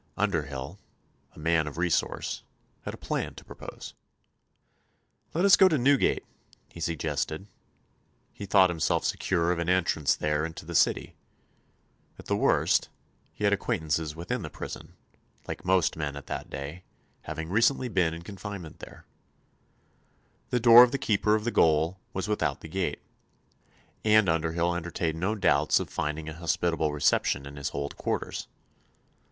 Underhyll, a man of resource, had a plan to propose. "Let us go to Newgate," he suggested. He thought himself secure of an entrance there into the city. At the worst, he had acquaintances within the prison like most men at that day having recently been in confinement there. The door of the keeper of the gaol was without the gate, and Underhyll entertained no doubts of finding a hospitable reception in his old quarters.